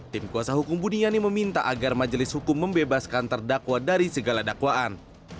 tim kuasa hukum buniani meminta agar majelis hukum membebaskan terdakwa dari segala dakwaan